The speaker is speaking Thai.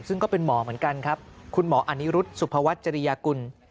ซึ่งก็เป็นหมอเหมือนกันครับคุณหมออนิรุธสุภวัฒน์จริยากุล